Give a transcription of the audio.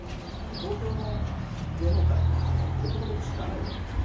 東京の芸能界の方は僕のことを知らないじゃないですか。